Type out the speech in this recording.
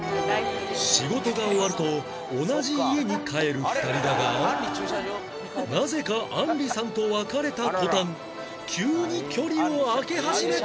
仕事が終わると同じ家に帰る２人だがなぜかあんりさんと分かれた途端急に距離をあけ始めた！